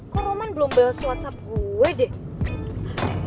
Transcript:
kok roman belum bahas whatsapp gue deh